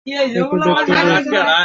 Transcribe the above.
একটু দেখতে দে।